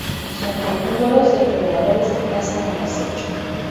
Son carnívoros, depredadores que cazan al acecho.